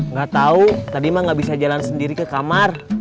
nggak tahu tadi mah gak bisa jalan sendiri ke kamar